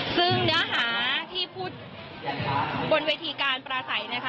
ซึ่งเนื้อหาที่พูดบนเวทีการปราศัยนะคะ